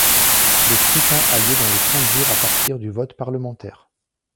Le scrutin a lieu dans les trente jours à partir du vote parlementaire.